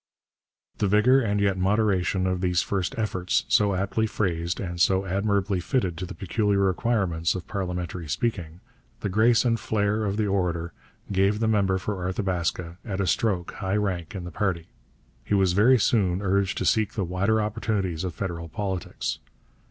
The vigour and yet moderation of these first efforts, so aptly phrased and so admirably fitted to the peculiar requirements of parliamentary speaking, the grace and flair of the orator, gave the member for Arthabaska at a stroke high rank in the party. He was very soon urged to seek the wider opportunities of federal politics.